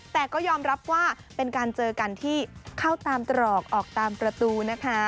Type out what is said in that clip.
แต่ก็ยอมรับว่าเป็นการเจอกันที่เข้าตามตรอกออกตามประตูนะคะ